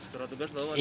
surat tugas bawa